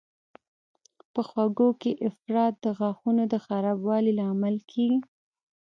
په خوږو کې افراط د غاښونو د خرابوالي لامل کېږي.